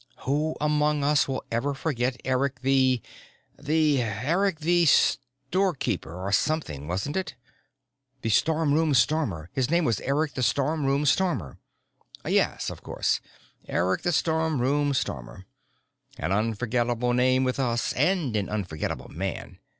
Who among us will ever forget Eric the the Eric the Store keeper or something, wasn't it?" "The Storeroom Stormer. His name was Eric the Storeroom Stormer." "Yes, of course. Eric the Storeroom Stormer. An unforgettable name with us, and an unforgettable man.